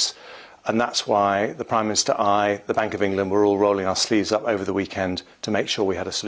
dan itulah sebabnya saya bank inggris dan saya semua menggabungkan keputusan untuk membuat perubahan ini